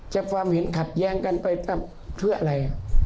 ความเห็นขัดแย้งกันไปเพื่ออะไร